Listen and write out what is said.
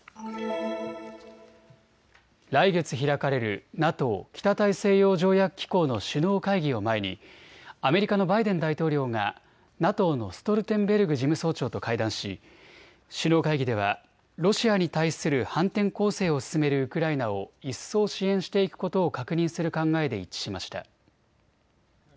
来月開かれるＮＡＴＯ・北大西洋条約機構の首脳会議を前にアメリカのバイデン大統領がＮＡＴＯのストルテンベルグ事務総長と会談し首脳会議ではロシアに対する反転攻勢を進めるウクライナを一層支援していくことを確認する考えで一致しました。